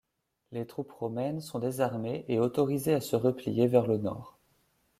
Les troupes romaines sont désarmées et autorisées à se replier vers le nord.